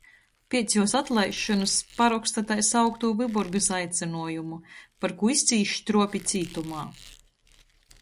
Piec juos atlaisšonys paroksta tai sauktū Vyborgys aicynuojumu, par kū izcīš struopi cītumā.